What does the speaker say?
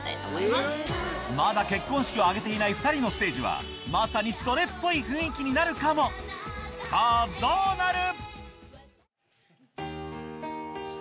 まだ結婚式を挙げていない２人のステージはまさにそれっぽい雰囲気になるかもさぁどうなる？